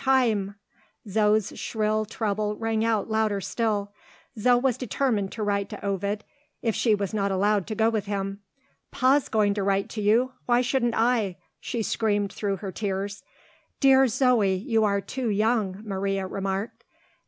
time!" Zo's shrill treble rang out louder still. Zo was determined to write to Ovid, if she was not allowed to go with him. "Pa's going to write to you why shouldn't I?" she screamed through her tears. "Dear Zoe, you are too young," Maria remarked.